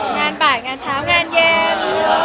งานบ่ายงานเช้างานเย็น